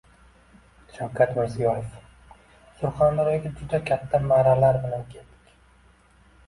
Shavkat Mirziyoyev: Surxondaryoga juda katta marralar bilan keldik